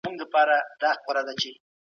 ایا کورني سوداګر کاغذي بادام پروسس کوي؟